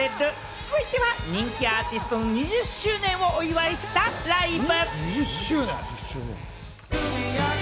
続いては人気アーティストの２０周年をお祝いしたライブ。